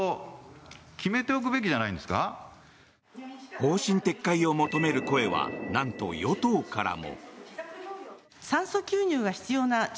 方針撤回を求める声はなんと与党からも。